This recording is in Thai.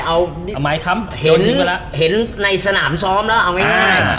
เอาไม้ค้ำเห็นในสนามซ้อมแล้วเอาง่าย